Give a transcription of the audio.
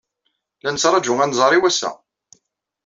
La nettṛaju anẓar i wass-a.